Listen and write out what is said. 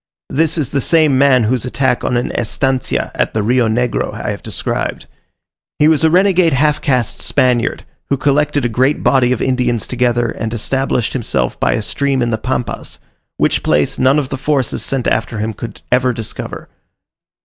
This is the same man whose attack on an estancia at the Rio Negro I have described. He was a renegade half caste Spaniard, who collected a great body of Indians together and established himself by a stream in the Pampas, which place none of the forces sent after him could ever discover.